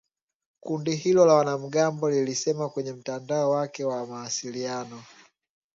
Kundi hilo la wanamgambo lilisema kwenye mtandao wake wa mawasiliano